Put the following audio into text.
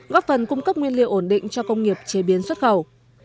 góp phần cung cấp nguyên liệu ổn định cho công nghiệp chế biến xuất khẩu